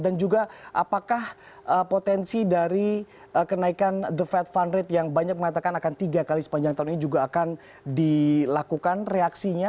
dan juga apakah potensi dari kenaikan the fed fund rate yang banyak mengatakan akan tiga kali sepanjang tahun ini juga akan dilakukan reaksinya